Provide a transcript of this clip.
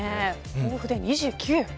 甲府で２９。